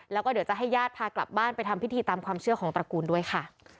แล้วก็เดี๋ยวจะให้ญาติพากลับบ้านไปทำพิธีตามความเชื่อของตระกูลด้วยค่ะ